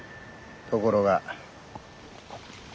ところが。